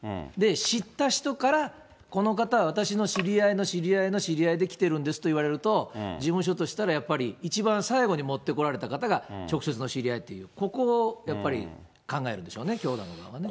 知った人からこの方は私の知り合いの知り合いの知り合いで来てるんですって言われると、事務所としたら、やっぱり一番最後に持って来られた方が直接の知り合いって、ここをやっぱり考えるんでしょうね、教団側はね。